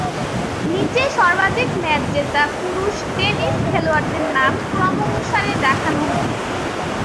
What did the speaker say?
নিচে সর্বাধিক ম্যাচ জেতা পুরুষ টেনিস খেলোয়াড়দের নাম ক্রম অনুসারে দেখানো হলঃ